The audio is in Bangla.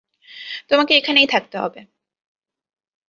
তোমাকে এখানেই থাকতে হবে।